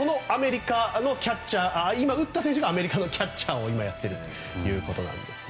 今、打った選手がアメリカのキャッチャーを今やっているということです。